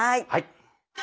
はい。